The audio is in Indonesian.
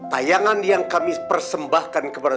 tayangan yang kami persembahkan kepada